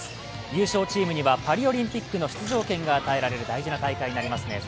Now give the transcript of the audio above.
優勝チームにはパリオリンピックの出場権が与えられる大事な大会になりますね。